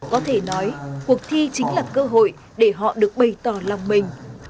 có thể nói cuộc thi chính là cơ hội để họ được bày tỏ lòng mình